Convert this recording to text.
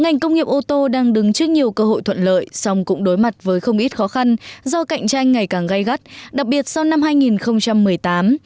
nhưng trong thời gian sắp tới do cạnh tranh ngày càng gây gắt đặc biệt sau năm hai nghìn một mươi tám